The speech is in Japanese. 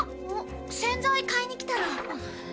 洗剤買いに来たの。